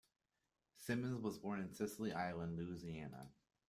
Simmons was born in Sicily Island, Louisiana.